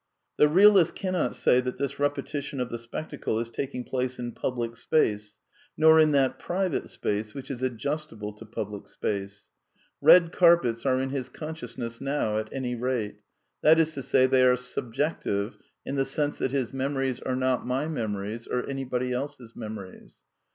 The realist cannot say that this repetition of the spectacle is taking place in public space, nor in that private space which is adjustable to public space.*® Eed carpets are in his consciousness now, at any rate ; that is to say, they are subjective in the sense that his memories are not my memo ries or anybody eWs memories.